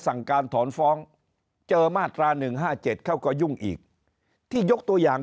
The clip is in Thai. สั่งการถอนฟ้องเจอมาตรา๑๕๗เขาก็ยุ่งอีกที่ยกตัวอย่าง